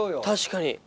確かに。